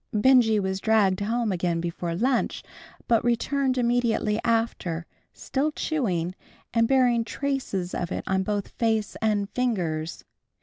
Benjy was dragged home again before lunch, but returned immediately after, still chewing, and bearing traces of it on both face and fingers.